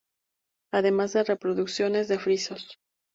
Además de reproducciones de frisos.